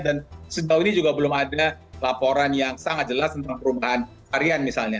dan sejauh ini juga belum ada laporan yang sangat jelas tentang perubahan varian misalnya